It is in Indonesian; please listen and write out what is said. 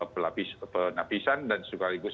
penapisan dan sekaligus